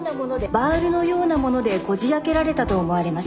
バールのようなものでこじあけられたと思われます。